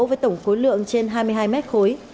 với tổng khối lượng trên hai mươi hai mét khối